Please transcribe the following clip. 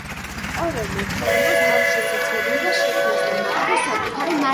ყოველ მომხმარებელს აქვს შესაძლებლობა შექმნას და მართოს საკუთარი მარკეტი.